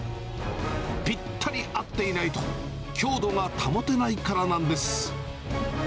ぴったり合っていないと、強度が保てないからなんです。